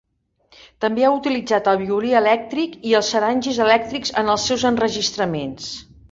També ha utilitzat el violí elèctric i els sarangis elèctrics en els seus enregistraments.